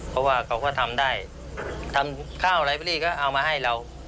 เพราะว่าเขาก็ทำได้ทำข้าวไลเบอรี่ก็เอามาให้เรา